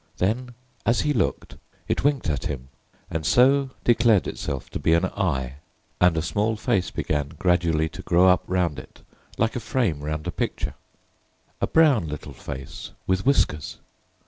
Then, as he looked, it winked at him, and so declared itself to be an eye; and a small face began gradually to grow up round it, like a frame round a picture. A brown little face, with whiskers.